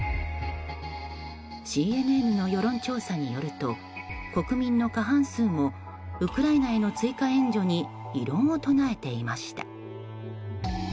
ＣＮＮの世論調査によると国民の過半数もウクライナへの追加援助に異論を唱えていました。